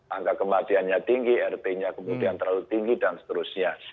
angka kematiannya tinggi rt nya kemudian terlalu tinggi dan seterusnya